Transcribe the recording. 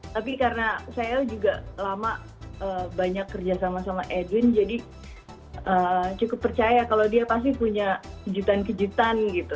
tapi karena saya juga lama banyak kerja sama sama edwin jadi cukup percaya kalau dia pasti punya kejutan kejutan gitu